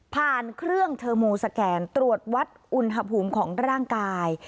เครื่องเทอร์โมสแกนตรวจวัดอุณหภูมิของร่างกาย